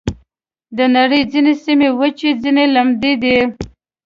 د نړۍ ځینې سیمې وچې، ځینې لمدې دي.